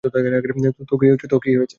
তো কী হয়েছে?